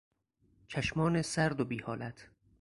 چشمان سرد و بی حالت